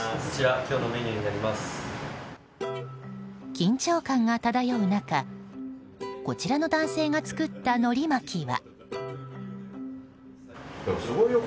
緊張感が漂う中こちらの男性が作ったのり巻きは。